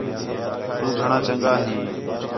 تُو گھݨاں چنڳا ھیں